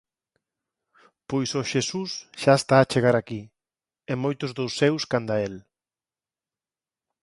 pois o Xesús xa está a chegar aquí, e moitos dos seus canda el.